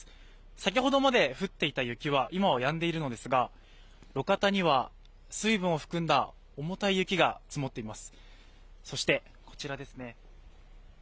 先ほどまで降っていた雪は今はやんでいるのですが路肩には水分を含んだ重たい雪が積もっています。